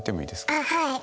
あっはい。